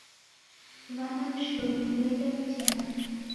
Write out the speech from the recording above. W'ana w'ishomie w'aida mtihani.